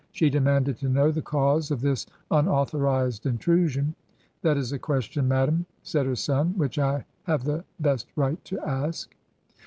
She demanded to know the cause of this unauthorized intrusion. 'That is a question, madam,' said her son, 'which I have the best right to ask.'